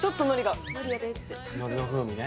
のりの風味ね。